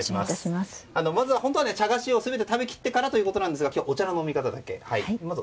まず、茶菓子を全て食べきってからということなんですがまずはお茶の飲み方だけ。